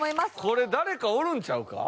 これ誰かおるんちゃうか？